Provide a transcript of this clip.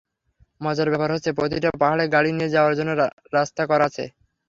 মজার ব্যাপার হচ্ছে, প্রতিটা পাহাড়ে গাড়ি নিয়ে যাওয়ার জন্য রাস্তা করা আছে।